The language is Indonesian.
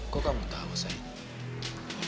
kok kamu tau sayang